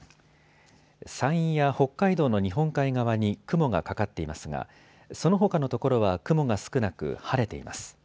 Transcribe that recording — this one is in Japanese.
山陰や北海道の日本海側に雲がかかっていますがそのほかの所は雲が少なく晴れています。